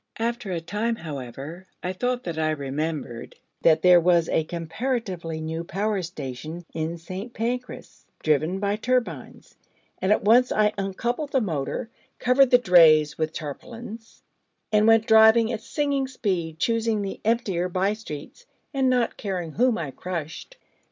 After a time, however, I thought that I remembered that there was a comparatively new power station in St. Paneras driven by turbines: and at once, I uncoupled the motor, covered the drays with the tarpaulins, and went driving at singing speed, choosing the emptier by streets, and not caring whom I crushed.